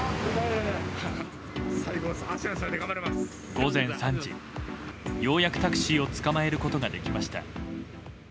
午前３時、ようやくタクシーをつかまえることができました。